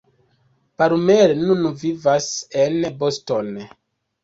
Palmer nun vivas en Boston.